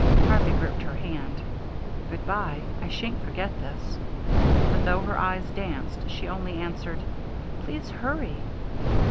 Harvey gripped her hand: "Good by. I shan't forget this." But though her eyes danced, she only answered, "Please hurry!"